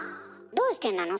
どうしてなの？